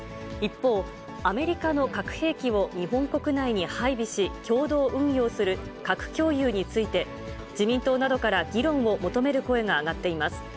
一方、アメリカの核兵器を日本国内に配備し、共同運用する核共有について、自民党などから議論を求める声が上がっています。